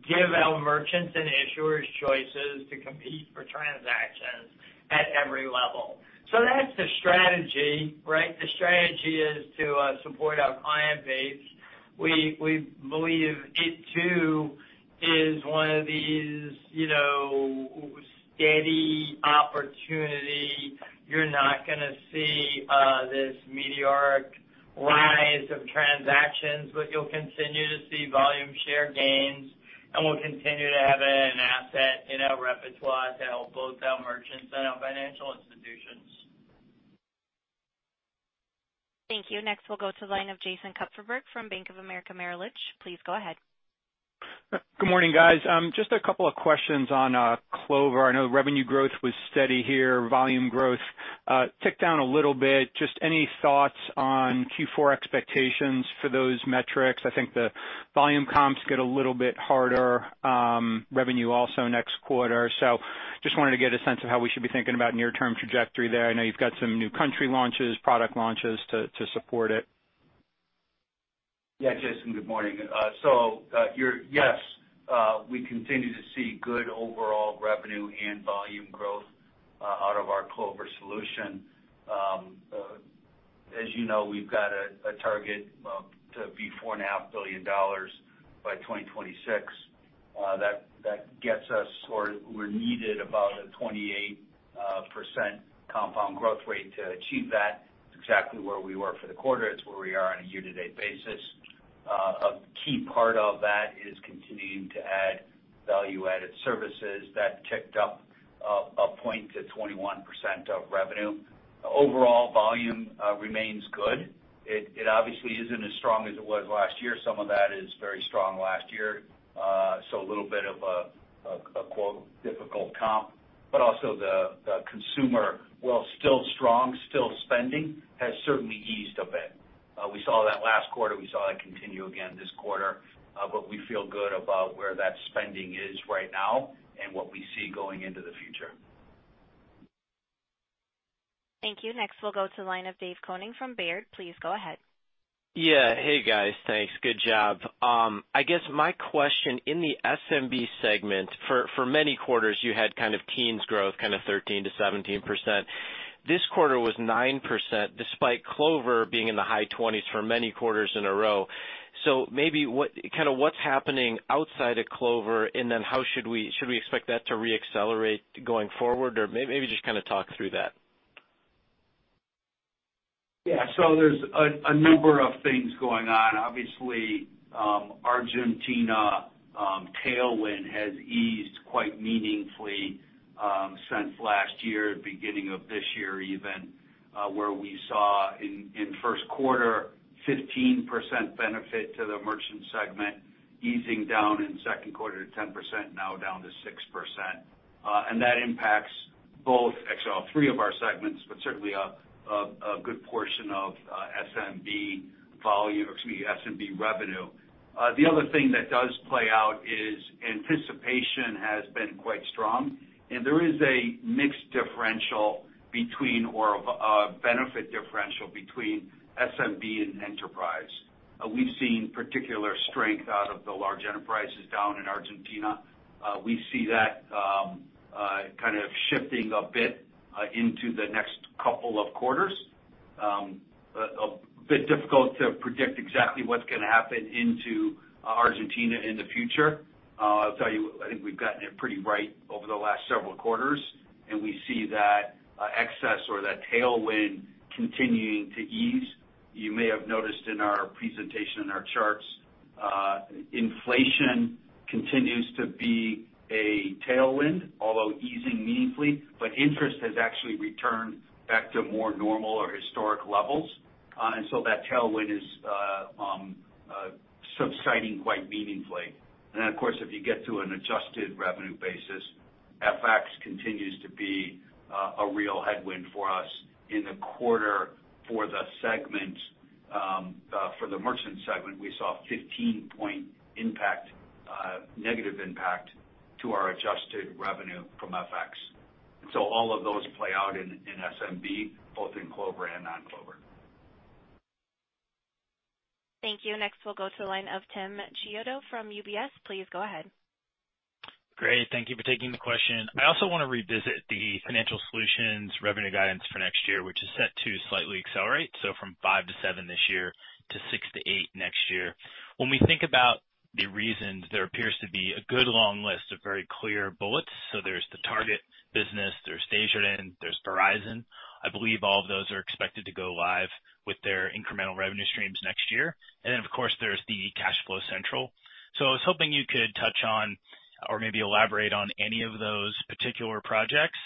give our merchants and issuers choices to compete for transactions at every level. So that's the strategy, right? The strategy is to support our client base. We believe it, too, is one of these, you know, steady opportunity. You're not gonna see this meteoric rise of transactions, but you'll continue to see volume share gains, and we'll continue to have it an asset in our repertoire to help both our merchants and our financial institutions. Thank you. Next, we'll go to the line of Jason Kupferberg from Bank of America Merrill Lynch. Please go ahead. Good morning, guys. Just a couple of questions on Clover. I know the revenue growth was steady here. Volume growth ticked down a little bit. Just any thoughts on Q4 expectations for those metrics? I think the volume comps get a little bit harder, revenue also next quarter. So just wanted to get a sense of how we should be thinking about near-term trajectory there. I know you've got some new country launches, product launches to support it. Yeah, Jason, good morning. So, you're -- yes, we continue to see good overall revenue and volume growth out of our Clover solution. As you know, we've got a target to be $4.5 billion by 2026. That gets us, or we're needed about a 28% compound growth rate to achieve that. It's exactly where we were for the quarter. It's where we are on a year-to-date basis. A key part of that is continuing to add value-added services that ticked up a point to 21% of revenue. Overall volume remains good. It obviously isn't as strong as it was last year. Some of that is very strong last year. So a little bit of a quote, “difficult comp,” but also the consumer, while still strong, still spending, has certainly eased a bit. We saw that last quarter, we saw that continue again this quarter, but we feel good about where that spending is right now and what we see going into the future. Thank you. Next, we'll go to the line of Dave Koning from Baird. Please go ahead. Yeah. Hey, guys, thanks. Good job. I guess my question, in the SMB segment, for many quarters, you had kind of teens growth, kind of 13% to 17%. This quarter was 9%, despite Clover being in the high twenties for many quarters in a row. So maybe what's happening outside of Clover, and then how should we expect that to reaccelerate going forward? Or maybe just kind of talk through that. Yeah. So there's a number of things going on. Obviously, Argentina tailwind has eased quite meaningfully since last year, beginning of this year, even, where we saw in first quarter 15% benefit to the merchant segment, easing down in second quarter to 10%, now down to 6%, and that impacts both, actually all three of our segments, but certainly a good portion of SMB volume, excuse me, SMB revenue. The other thing that does play out is anticipation has been quite strong, and there is a mixed differential between or a benefit differential between SMB and enterprise. We've seen particular strength out of the large enterprises down in Argentina. We see that kind of shifting a bit into the next couple of quarters. A bit difficult to predict exactly what's gonna happen into Argentina in the future. I'll tell you, I think we've gotten it pretty right over the last several quarters, and we see that-... excess or that tailwind continuing to ease. You may have noticed in our presentation, in our charts, inflation continues to be a tailwind, although easing meaningfully, but interest has actually returned back to more normal or historic levels. And so that tailwind is subsiding quite meaningfully. And of course, if you get to an adjusted revenue basis, FX continues to be a real headwind for us in the quarter for the segment. For the merchant segment, we saw a 15-point impact, negative impact to our adjusted revenue from FX. So all of those play out in SMB, both in Clover and non-Clover. Thank you. Next, we'll go to the line of Tim Chiodo from UBS. Please go ahead. Great, thank you for taking the question. I also want to revisit the Financial Solutions revenue guidance for next year, which is set to slightly accelerate, so from five to seven this year to six to eight next year. When we think about the reasons, there appears to be a good long list of very clear bullets. So there's the Target business, there's Desjardins, there's Verizon. I believe all of those are expected to go live with their incremental revenue streams next year. And then, of course, there's the CashFlow Central. So I was hoping you could touch on or maybe elaborate on any of those particular projects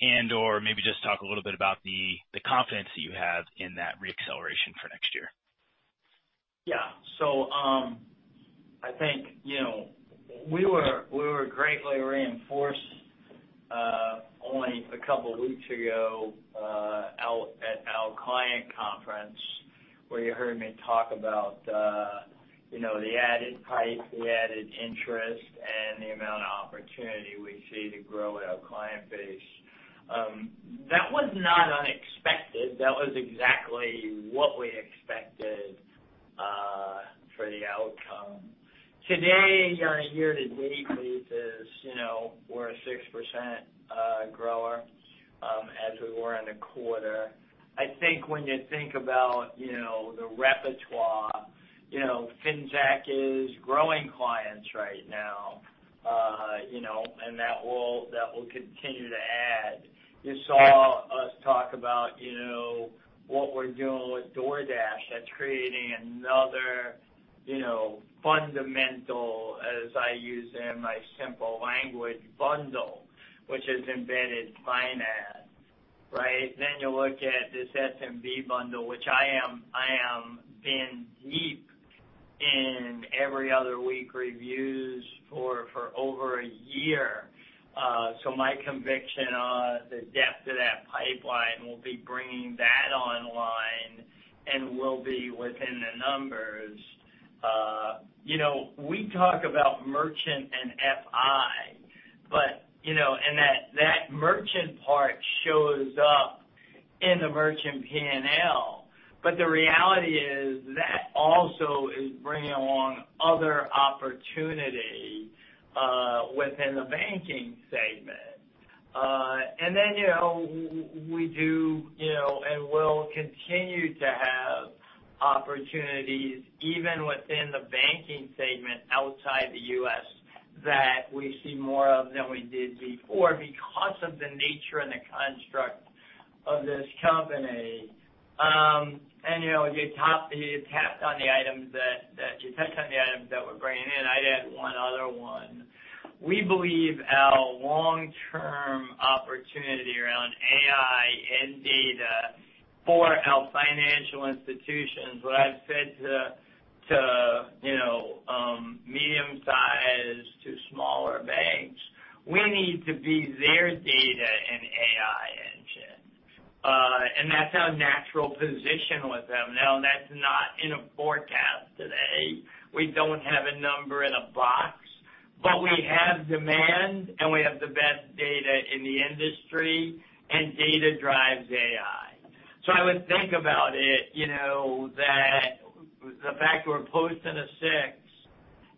and/or maybe just talk a little bit about the confidence that you have in that reacceleration for next year. Yeah. So, I think, you know, we were greatly reinforced only a couple of weeks ago out at our client conference, where you heard me talk about, you know, the added hype, the added interest, and the amount of opportunity we see to grow our client base. That was not unexpected. That was exactly what we expected for the outcome. Today, on a year-to-date basis, you know, we're a 6% grower as we were in the quarter. I think when you think about, you know, the repertoire, you know, Finxact is growing clients right now, you know, and that will continue to add. You saw us talk about, you know, what we're doing with DoorDash. That's creating another, you know, fundamental, as I use in my simple language, bundle, which is embedded finance, right? Then you look at this SMB bundle, which I have been deep in every other week reviews for over a year. So my conviction on the depth of that pipeline will be bringing that online and will be within the numbers. You know, we talk about merchant and FI, but you know, and that merchant part shows up in the merchant P&L. But the reality is that also is bringing along other opportunities within the banking segment. And then, you know, we do, you know, and will continue to have opportunities even within the banking segment outside the US, that we see more of than we did before because of the nature and the construct of this company. And, you know, you touched on the items that we're bringing in. I'd add one other one. We believe our long-term opportunity around AI and data for our financial institutions, what I've said to you know medium-sized to smaller banks, we need to be their data and AI engine, and that's our natural position with them. Now, that's not in a forecast today. We don't have a number in a box, but we have demand, and we have the best data in the industry, and data drives AI, so I would think about it you know that the fact we're posting a six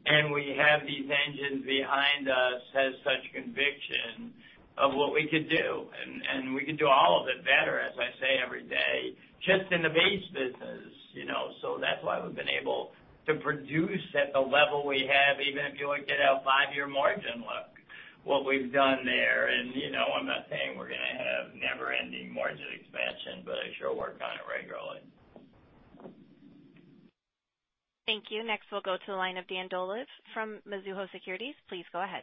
and we have these engines behind us has such conviction of what we could do, and we can do all of it better, as I say every day, just in the base business you know. So that's why we've been able to produce at the level we have, even if you looked at our five-year margin look, what we've done there. And, you know, I'm not saying we're gonna have never-ending margin expansion, but I sure work on it regularly. Thank you. Next, we'll go to the line of Dan Dolev from Mizuho Securities. Please go ahead.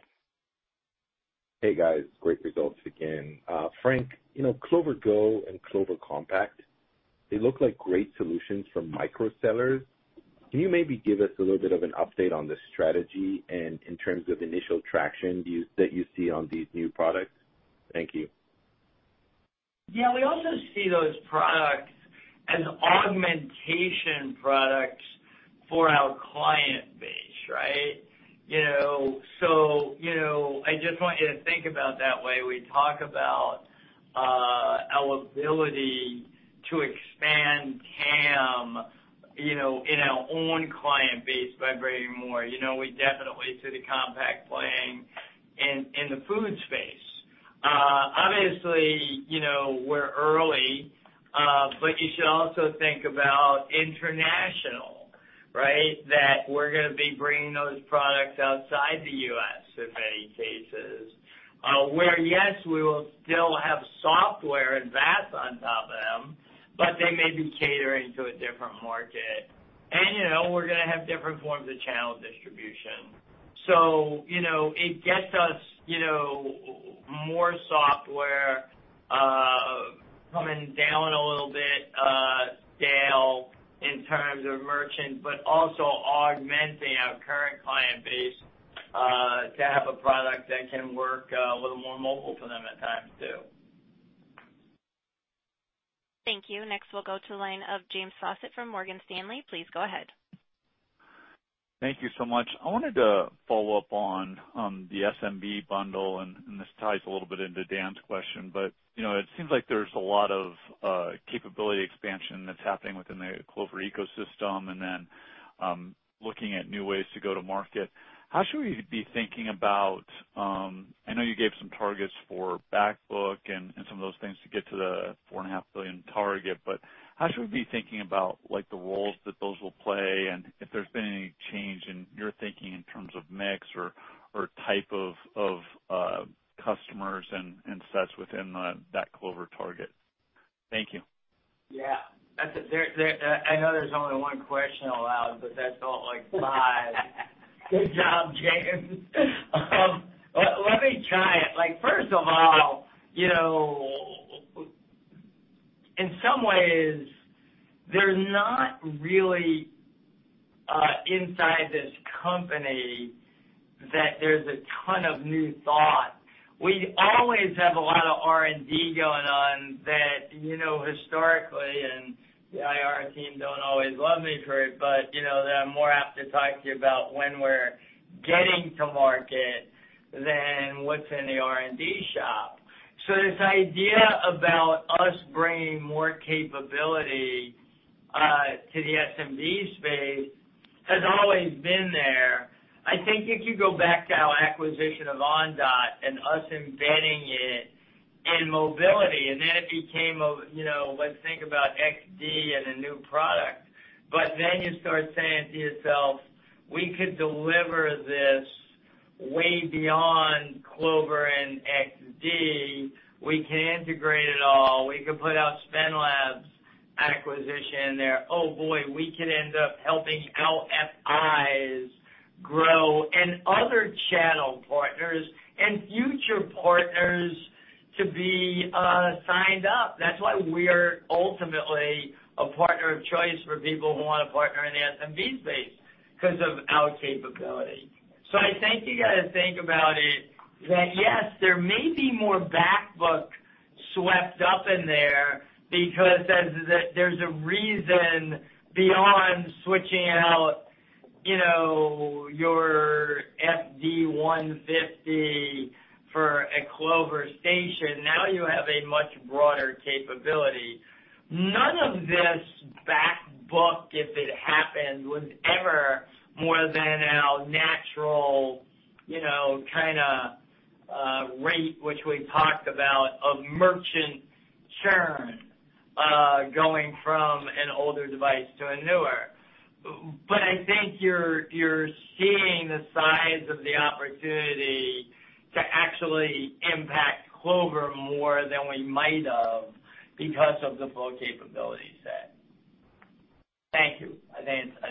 Hey, guys, great results again. Frank, you know, Clover Go and Clover Compact, they look like great solutions from micro sellers. Can you maybe give us a little bit of an update on the strategy and in terms of initial traction that you see on these new products? Thank you. Yeah, we also see those products as augmentation products for our client base, right? You know, so, you know, I just want you to think about that way. We talk about our ability to expand TAM, you know, in our own client base by bringing more. You know, we definitely see the Compact playing in the food space. Obviously, you know, we're early, but you should also think about international, right? That we're gonna be bringing those products outside the U.S., in any cases. Where, yes, we will still have software and VAS on top of them, but they may be catering to a different market. You know, we're gonna have different forms of channel distribution. So, you know, it gets us, you know, more software coming down a little bit, scale in terms of merchant, but also augmenting our current client base to have a product that can work a little more mobile for them at times, too. Thank you. Next, we'll go to the line of James Faucette from Morgan Stanley. Please go ahead. Thank you so much. I wanted to follow up on the SMB bundle, and this ties a little bit into Dan's question. But, you know, it seems like there's a lot of capability expansion that's happening within the Clover ecosystem, and then looking at new ways to go to market. How should we be thinking about? I know you gave some targets for back book and some of those things to get to the $4.5 billion target, but how should we be thinking about, like, the roles that those will play, and if there's been any change in your thinking in terms of mix or type of customers and such within that Clover target? Thank you. Yeah. That's there, there. I know there's only one question allowed, but that's all like five. Good job, James. Well, let me try it. Like, first of all, you know, in some ways, there's not really inside this company that there's a ton of new thought. We always have a lot of R&D going on that, you know, historically, and the IR team don't always love me for it, but, you know, that I'm more apt to talk to you about when we're getting to market than what's in the R&D shop. So this idea about us bringing more capability to the SMB space has always been there. I think if you go back to our acquisition of Ondot and us embedding it in mobility, and then it became a, you know, let's think about XD as a new product. But then you start saying to yourself: We could deliver this way beyond Clover and XD. We can integrate it all. We can put out SpendLabs acquisition in there. Oh, boy, we could end up helping LFIs grow and other channel partners and future partners to be signed up. That's why we're ultimately a partner of choice for people who wanna partner in the SMB space, 'cause of our capability. So I think you gotta think about it that, yes, there may be more back book swept up in there because there's a reason beyond switching out, you know, your FD150 for a Clover Station. Now you have a much broader capability. None of this back book, if it happened, was ever more than our natural, you know, kinda rate, which we talked about, of merchant churn going from an older device to a newer. But I think you're seeing the size of the opportunity to actually impact Clover more than we might have because of the full capability set. Thank you. I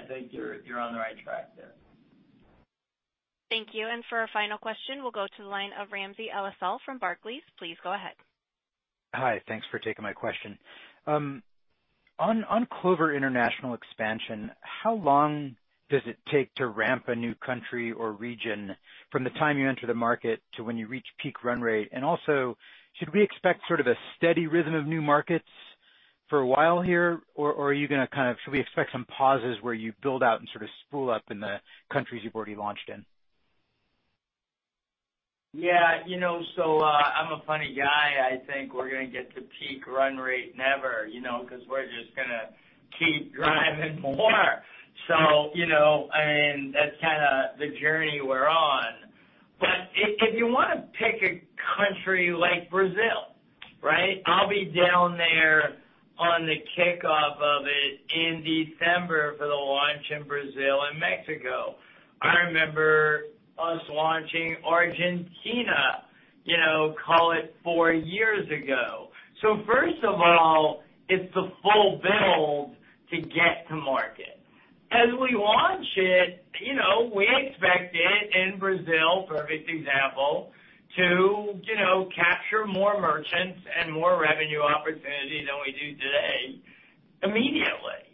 think you're on the right track there. Thank you. And for our final question, we'll go to the line of Ramsey El-Assal from Barclays. Please go ahead. Hi, thanks for taking my question. On Clover International expansion, how long does it take to ramp a new country or region from the time you enter the market to when you reach peak run rate? And also, should we expect sort of a steady rhythm of new markets for a while here, or should we expect some pauses where you build out and sort of spool up in the countries you've already launched in? Yeah, you know, so, I'm a funny guy. I think we're gonna get to peak run rate never, you know, 'cause we're just gonna keep driving more. So, you know, I mean, that's kinda the journey we're on. But if you wanna pick a country like Brazil, right? I'll be down there on the kickoff of it in December for the launch in Brazil and Mexico. I remember us launching Argentina, you know, call it four years ago. So first of all, it's a full build to get to market. As we launch it, you know, we expect it, in Brazil, perfect example, to, you know, capture more merchants and more revenue opportunities than we do today immediately.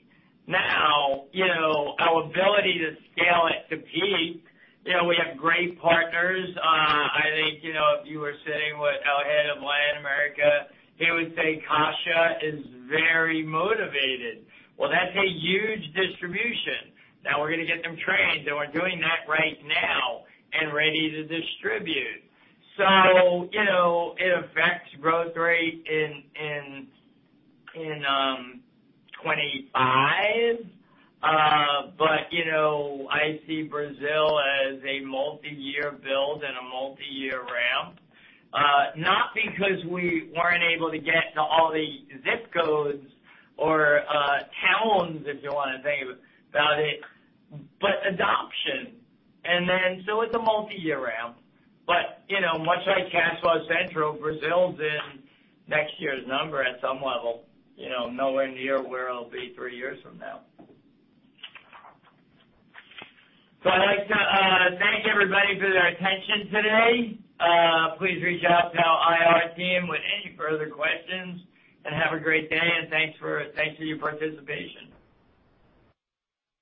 Now, you know, our ability to scale it to peak, you know, we have great partners. I think, you know, if you were sitting with our head of Latin America, he would say, "Caixa is very motivated." Well, that's a huge distribution. Now, we're gonna get them trained, so we're doing that right now and ready to distribute. So, you know, it affects growth rate in 2025. But, you know, I see Brazil as a multiyear build and a multiyear ramp, not because we weren't able to get to all the ZIP codes or towns, if you wanna think about it, but adoption. And then, so it's a multiyear ramp. But, you know, much like CashFlow Central, Brazil's in next year's number at some level, you know, nowhere near where it'll be three years from now. So I'd like to thank everybody for their attention today. Please reach out to our IR team with any further questions, and have a great day, and thanks for your participation.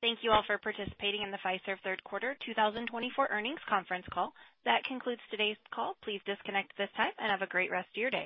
Thank you all for participating in the Fiserv third quarter 2024 earnings conference call. That concludes today's call. Please disconnect at this time, and have a great rest of your day.